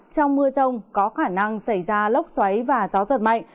trong mưa rông có khả năng xảy ra lốc xoáy và gió giật mạnh